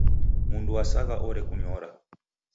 Mndu wasagha orekunyora.